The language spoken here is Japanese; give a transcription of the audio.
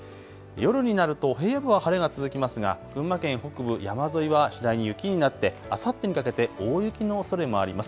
夜になると平野部は晴れが続きますが群馬県北部山沿いは次第に雪になってあさってにかけて大雪のおそれもあります。